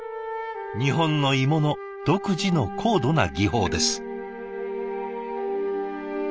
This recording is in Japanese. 日本の鋳物独自の高度な技法です。